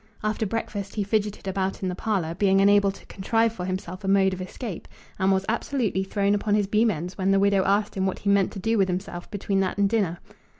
After breakfast he fidgeted about in the parlour, being unable to contrive for himself a mode of escape, and was absolutely thrown upon his beam ends when the widow asked him what he meant to do with himself between that and dinner.